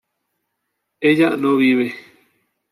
ella no vive